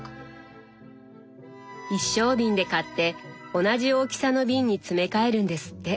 一升瓶で買って同じ大きさの瓶に詰め替えるんですって。